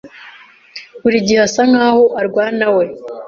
buri gihe asa nkaho arwanawe.